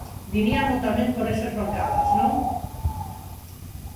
Diríamo tamén por esas bancadas, ¿non?